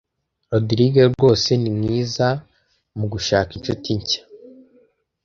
Rogride rwose ni mwiza mugushaka inshuti nshya.